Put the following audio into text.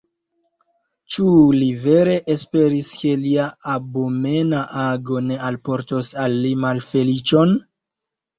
Ĉu li vere esperis, ke lia abomena ago ne alportos al li malfeliĉon?